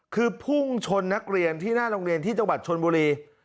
คือพุ่งชนนักเรียนที่หน้าโรงเรียนที่จังหวัดชนบุรี